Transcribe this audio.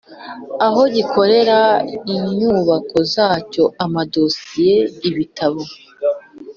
aho gikorera inyubako zacyo amadosiye ibitabo